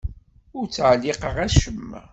Ur ttɛelliqeɣ acemma.